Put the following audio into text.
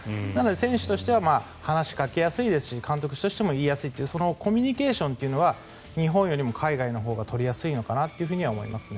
選手としては話しかけやすいですし監督としても言いやすいというコミュニケーションは日本よりも海外のほうが取りやすいのかなとは思います。